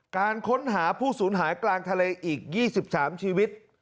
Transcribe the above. การค้นหาผู้สูญหายกลางทะเลอีก๒๓ชีวิต